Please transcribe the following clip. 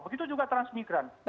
begitu juga transmigran